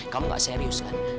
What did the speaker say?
kamu gak serius kan